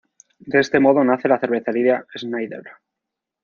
De este modo nace la Cervecería Schneider.